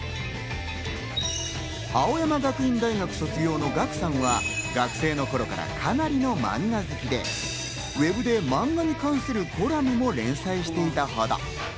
青山学院大学卒業のガクさんは、学生の頃からかなりのマンガ好きで、ウェブでマンガに関するコラムも連載していたほど。